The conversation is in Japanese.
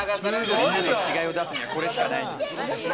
みんなと違いを出すには、これしかない。